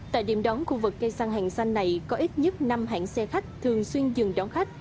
tại điểm đón khu vực cây săn hàng xanh này có ít nhất năm hãng xe khách thường xuyên dừng đón khách